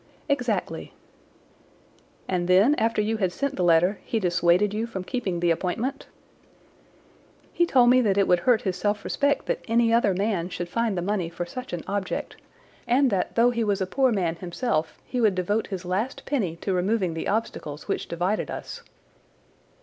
"Exactly." "And then after you had sent the letter he dissuaded you from keeping the appointment?" "He told me that it would hurt his self respect that any other man should find the money for such an object, and that though he was a poor man himself he would devote his last penny to removing the obstacles which divided us."